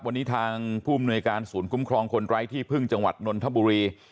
วันนี้ทางผู้มนวยการศูนย์คุ้มครองคนไร้ที่พึ่งจังหวัดนนทบุรี